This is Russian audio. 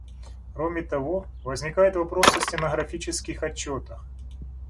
Кроме того, возникает вопрос о стенографических отчетах.